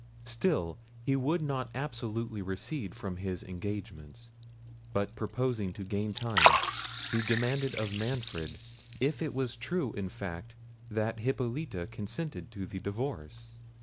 Still he would not absolutely recede from his engagements; but purposing to gain time, he demanded of Manfred if it was true in fact that Hippolita consented to the divorce.